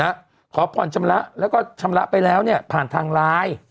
นะขอพรชำระแล้วก็ชำระไปแล้วเนี่ยผ่านทางลาย